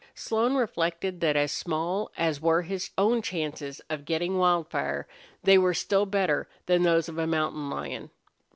Slone reflected that as small as were his own chances of getting Wildfire, they were still better than those of a mountain lion.